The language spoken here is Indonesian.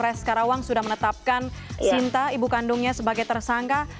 polres karawang sudah menetapkan sinta ibu kandungnya sebagai tersangka